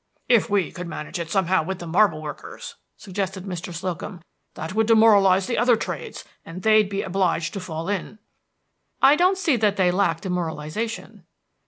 "If we could manage it somehow with the marble workers," suggested Mr. Slocum, "that would demoralize the other trades, and they'd be obliged to fall in." "I don't see that they lack demoralization."